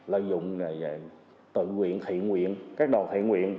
lợi dụng tự nguyện thiện nguyện các đồ thiện nguyện